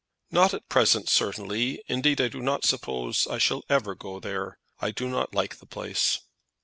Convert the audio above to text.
"Not at present, certainly. Indeed, I do not suppose I shall ever go there. I do not like the place."